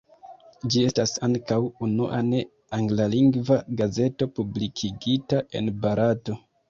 Ĝi estas ankaŭ unua ne anglalingva gazeto publikigita en Barato.